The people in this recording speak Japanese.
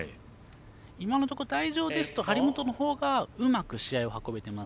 今のところ、台上ですと張本の方がうまく試合を運べています。